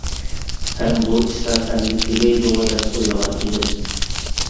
ھەم بۇ ئىشلار ئەمدى تۈگەيدىغۇ، دەپ ئويلىغان ئىدىم.